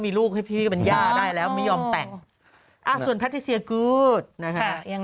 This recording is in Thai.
มีลูกให้พี่มันยาได้แล้วไม่ยอมแต่งส่วนแพทย์เซียกู๊ดยัง